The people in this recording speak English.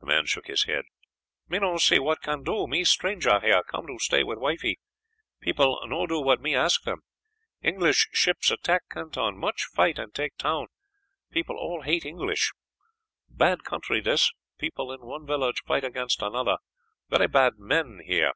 The man shook his head. "Me no see what can do, me stranger here; come to stay with wifey; people no do what me ask them. English ships attack Canton, much fight and take town, people all hate English. Bad country dis. People in one village fight against another. Velly bad men here."